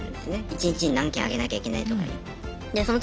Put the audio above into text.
一日に何件上げなきゃいけないとかいう。